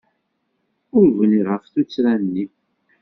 Ur bniɣ ɣef tuttra-nni.